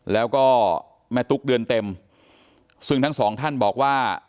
แล้วก็แม่ตุ๊กเดือนเต็มซึ่งทั้งสองท่านบอกว่า